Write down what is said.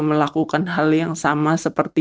melakukan hal yang sama seperti